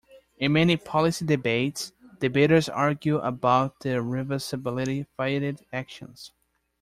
In many policy debates, debaters argue about the reversibility "fiated" actions.